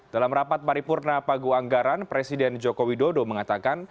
dalam rapat paripurna pagu anggaran presiden jokowi dodo mengatakan